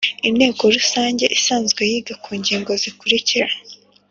Inteko rusange isanzwe yiga ku ngingo zikurikira